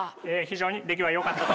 非常に出来はよかった。